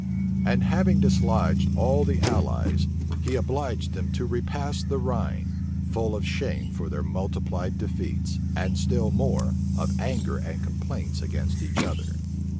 And having dislodged all the allies, he obliged them to repass the Rhine, full of shame for their multiplied defeats, and still more, of anger and complaints against each other.